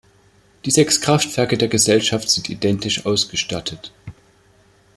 Die sechs Kraftwerke der Gesellschaft sind identisch ausgestattet.